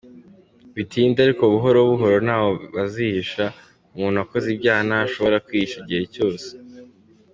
Bitinde, ariko buhoro buhoro ntaho bazihisha, umuntu wakoze ibyaha ntashobora kwihisha igihe cyose.